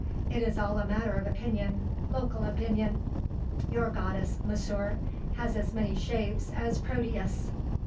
It is all a matter of opinion, local opinion. Your goddess, Monsieur, has as many shapes as Proteus."